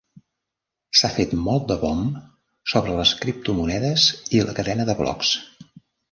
S'ha fet molt de bomb sobre les criptomonedes i la cadena de blocs.